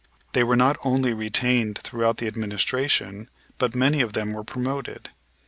They were not only retained throughout the Administration but many of them were promoted.